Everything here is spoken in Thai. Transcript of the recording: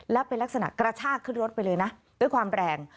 แล้วเป็นลักษณะกระชากขึ้นรถไปเลยนะด้วยความแรง